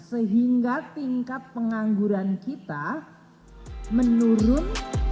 sehingga tingkat pengangguran kita menurun